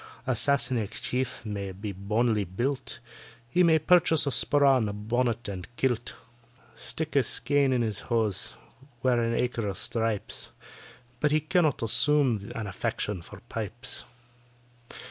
A Sassenach chief may be bonily built, He may purchase a sporran, a bonnet, and kilt; Stick a skeän in his hose—wear an acre of stripes— But he cannot assume an affection for pipes.